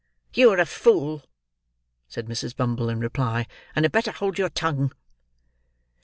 "You are a fool," said Mrs. Bumble, in reply; "and had better hold your tongue."